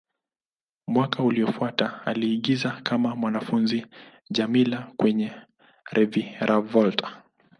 Mwaka uliofuata, aliigiza kama mwanafunzi Djamila kwenye "Reviravolta".